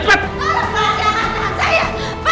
jadi sekarang apa